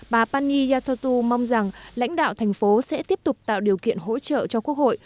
bà pani yathotu mong rằng lãnh đạo thành phố sẽ tiếp tục tạo điều kiện hỗ trợ cho quốc hội